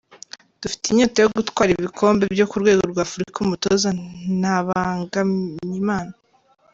Dufite inyota yo gutwara ibikombe byo ku rwego rw’Afurika-Umutoza Ntabanganyimana.